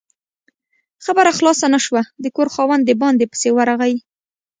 خبره خلاصه نه شوه، د کور خاوند د باندې پسې ورغی